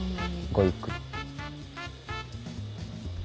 ごゆっくり。